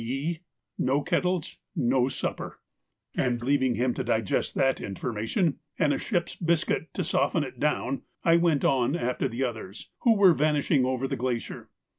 _, 'No kettles, no supper,' and, leaving him to digest that information and a ship's biscuit to soften it down, I went on after the others, who were vanishing over the glacier.